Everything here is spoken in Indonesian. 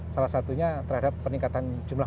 salah satunya terhadap peningkatan jumlah